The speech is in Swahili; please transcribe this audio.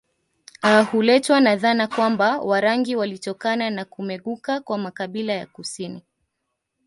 Huletwa na dhana kwamba Warangi walitokana na kumeguka kwa makabila ya kusini